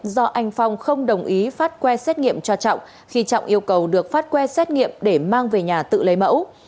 do anh phong không đồng ý phát que xét nghiệm cho trọng khi trọng yêu cầu được phát quest nghiệm để mang về nhà tự lấy mẫu